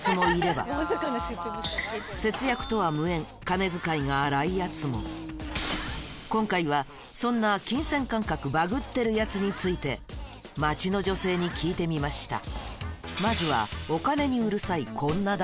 将来の昨今もいればも今回はそんな金銭感覚バグってるヤツについて街の女性に聞いてみました